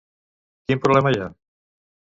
Quin problema hi ha?